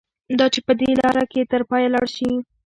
دا چې په دې لاره کې تر پایه لاړ شي.